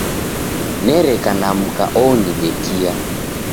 Nereka na mka onidekia.